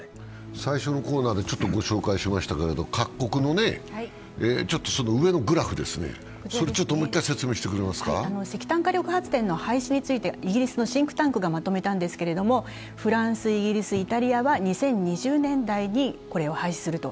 最初のコーナーでご紹介しましたけど各国のグラフを石炭火力発電の廃止についてイギリスのシンクタンクがまとめたんですけれども、フランス、イギリス、イタリアは２０２０年代に廃止すると。